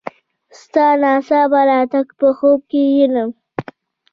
ستا ناڅاپه راتګ په خوب کې وینم.